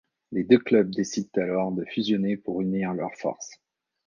Les deux clubs décident alors de fusionner pour unir leurs forces.